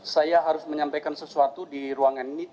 saya harus menyampaikan sesuatu di ruangan ini